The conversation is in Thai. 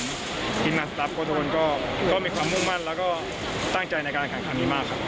ผมและเพื่อนโลกทีทุกคนดวงไปถึงสตาร์ฟโค้ชทุกคนก็มีความมุ่งมั่นและตั้งใจในจัดการการคันค่อนข้างมากครับ